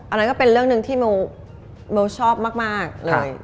อันนั้นก็เป็นเรื่องหนึ่งที่โมชอบมากเลย